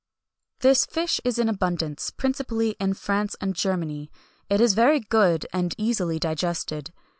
"This fish is in abundance, principally in France and Germany; it is very good, and easily digested.